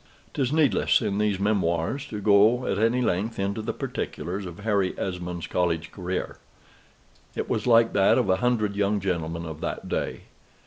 'Tis needless in these memoirs to go at any length into the particulars of Harry Esmond's college career. It was like that of a hundred young gentlemen of that day.